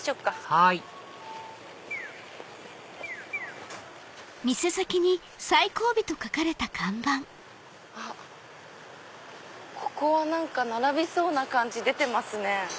はいあっここは何か並びそうな感じ出てますね。